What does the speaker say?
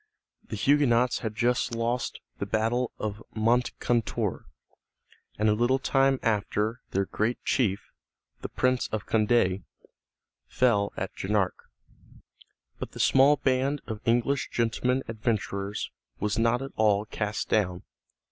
The Huguenots had just lost the battle of Moncontour, and a little time after their great chief, the Prince of Condé, fell at Jarnac. But the small band of English gentlemen adventurers was not at all cast down.